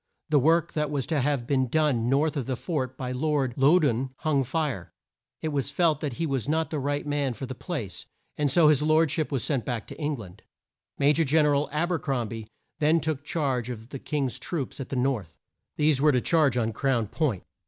The work that was to have been done north of the fort, by Lord Lou doun, hung fire. It was felt that he was not the right man for the place, and so his lord ship was sent back to Eng land. Ma jor Gen er al Ab er crom bie then took charge of the King's troops at the north. These were to charge on Crown Point.